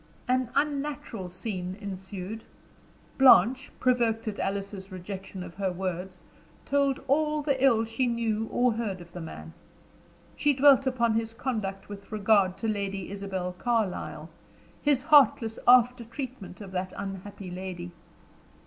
An unnatural scene ensued. Blanche, provoked at Alice's rejection of her words, told all the ill she knew or heard of the man; she dwelt upon his conduct with regard to Lady Isabel Carlyle, his heartless after treatment of that unhappy lady.